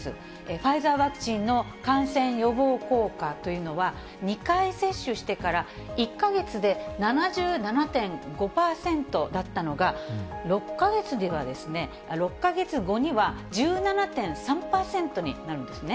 ファイザーワクチンの感染予防効果というのは、２回接種してから１か月で７７．５％だったのが、６か月後には１７．３％になるんですね。